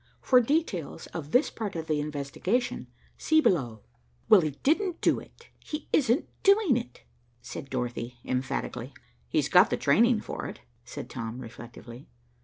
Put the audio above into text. For details of this part of the investigation, see below." "Well, he didn't do it; he isn't doing it," said Dorothy emphatically. "He's got the training for it," said Tom reflectively.